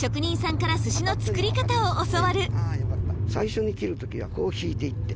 一方藤木最初に切る時はこう引いていって。